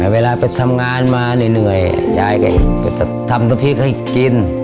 เวลาไปทำงานมาเหนื่อยยายก็จะทำน้ำพริกให้กิน